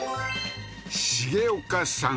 重岡さん